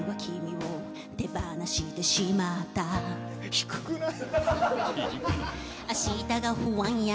低くない？